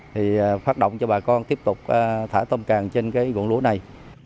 thì phát động cho bà con tiếp tục thả tôm càng trên gọn lúa này